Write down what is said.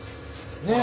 ねえ！